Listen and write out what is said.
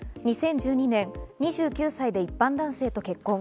２０１２年、２９歳で一般男性と結婚。